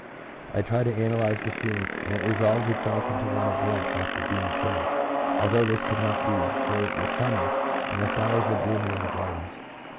I try to analyze the feeling, and it resolves itself into one of warmth after being chilly, although this could not be, for it was summer, the flowers were blooming in the gardens.